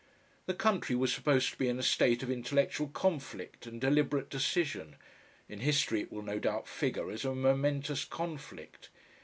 The country was supposed to be in a state of intellectual conflict and deliberate decision, in history it will no doubt figure as a momentous conflict.